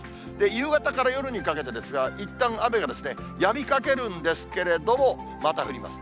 夕方から夜にかけてですが、いったん雨がやみかけるんですけれども、また降ります。